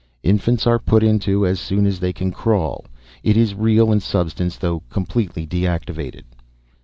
"... Infants are put into as soon as they can crawl. It is real in substance, though completely deactivated."